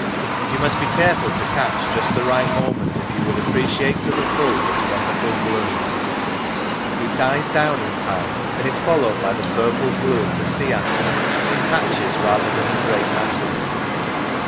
You must be careful to catch just the right moment if you would appreciate to the full this wonderful bloom ; it dies down in time, and is followed by the purple blue of the sea aster, in patches rather than in great masses.